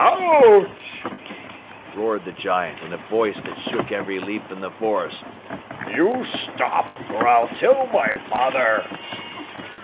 "Ouch!" roared the giant in a voice that shook every leaf in the forest. "You stop, or I'll tell my father!"